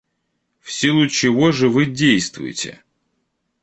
В силу чего же вы действуете?